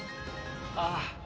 ああ。